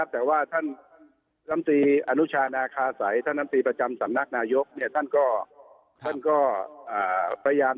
เท่านั้นเองนะครับว่ามันไม่สมควรนะครับ